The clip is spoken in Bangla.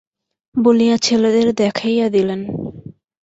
বলিয়া ছেলেদের দেখাইয়া দিলেন।